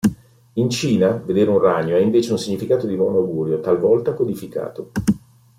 In Cina, vedere un ragno ha invece un significato di buon augurio, talvolta codificato.